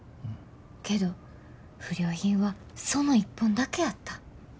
けど不良品はその一本だけやった。